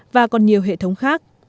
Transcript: và còn nhiều hệ thống khác